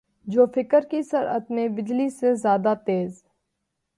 جو فکر کی سرعت میں بجلی سے زیادہ تیز